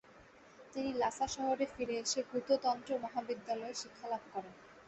তিনি লাসা শহরে ফিরে এসে গ্যুতো তন্ত্র মহাবিদ্যালয়ে শিক্ষালাভ করেন।